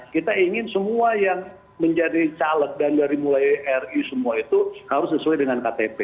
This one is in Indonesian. kita ingin semua yang menjadi caleg dan dari mulai ri semua itu harus sesuai dengan ktp